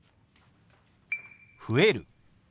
「増える」。